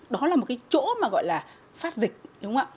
đó là một cái chỗ mà gọi là phát dịch đúng không ạ